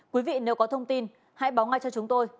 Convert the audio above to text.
quý vị nếu có thông tin hãy báo ngay cho chúng tôi